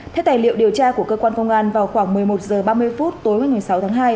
theo tài liệu điều tra của cơ quan công an vào khoảng một mươi một h ba mươi phút tối ngày sáu tháng hai